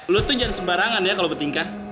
lu tuh jangan sembarangan ya kalo bertingkah